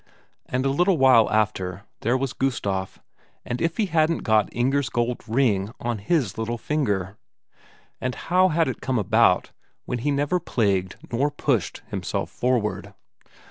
And a little while after, there was Gustaf, and if he hadn't got Inger's gold ring on his little finger! And how had it come about, when he never plagued nor pushed himself forward?